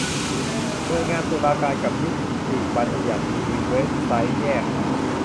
หน่วยงานตุลาการกับนิติบัญญัติมีเว็บไซต์แยก